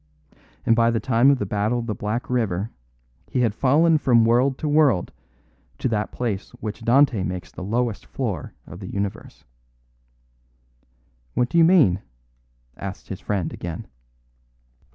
And by the time of the Battle of the Black River he had fallen from world to world to that place which Dante makes the lowest floor of the universe." "What do you mean?" asked his friend again.